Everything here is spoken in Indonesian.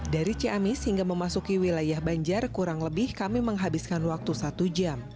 dari ciamis hingga memasuki wilayah banjar kurang lebih kami menghabiskan waktu satu jam